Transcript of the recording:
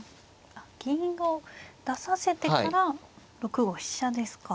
あっ銀を出させてから６五飛車ですか。